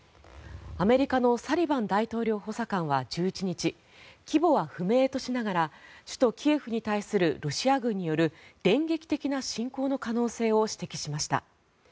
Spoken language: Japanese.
アメリカのサリバン大統領補佐官は１１日規模は不明としながら首都キエフに対するロシア軍による電撃的な侵攻の可能性を指摘しました。